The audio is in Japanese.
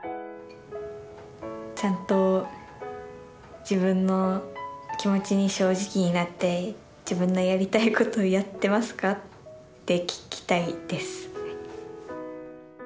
「ちゃんと自分の気持ちに正直になって自分のやりたいことをやってますか？」って聞きたいです。